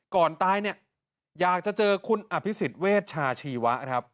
ก่อนตายเนี่ยอยากจะเจอคุณอภิษฎเวชชาชีวะครับ